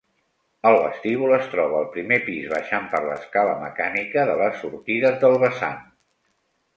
El vestíbul es troba al primer pis baixant per l'escala mecànica de les sortides del vessant.